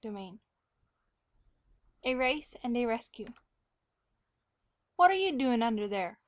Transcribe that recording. XIII A RACE AND A RESCUE "WHAT'RE you doin' under there?"